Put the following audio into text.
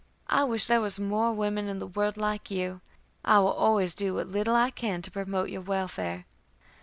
I wish there were more women in the world like you. I will always do what little I can to promote your welfare."